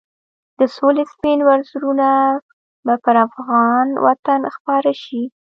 د سولې سپین وزرونه به پر افغان وطن خپاره شي.